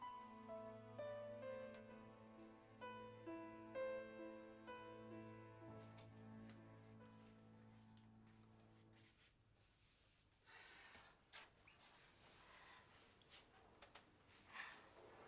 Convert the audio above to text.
terima kasih bu